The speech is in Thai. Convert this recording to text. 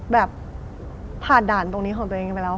แบบผ่านด่านตรงนี้ของตัวเองไปแล้ว